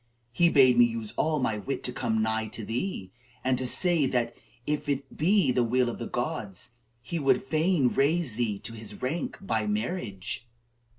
He bade me use all my wit to come nigh to thee, and to say that, if it be the will of the gods, he would fain raise thee to his rank by marriage."